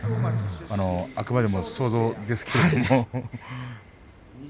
あくまで想像ですけど。